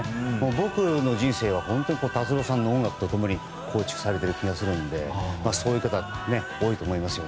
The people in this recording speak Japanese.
僕の人生は本当に達郎さんの音楽と共に構築されている気がするのでそういう人が多いと思います。